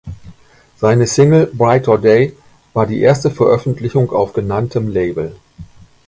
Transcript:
Seine Single "Brighter Day" war die erste Veröffentlichung auf genanntem Label.